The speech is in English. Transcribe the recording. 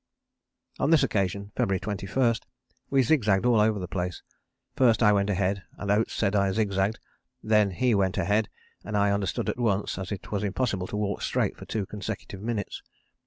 On this occasion (February 21) we zig zagged all over the place first I went ahead, and Oates said I zig zagged, then he went ahead, and I understood at once, as it was impossible to walk straight for two consecutive minutes.